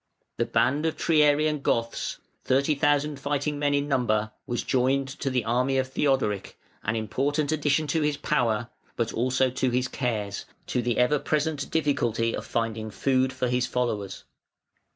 The band of Triarian Goths, thirty thousand fighting men in number, was joined to the army of Theodoric, an important addition to his power, but also to his cares, to the ever present difficulty of finding food for his followers.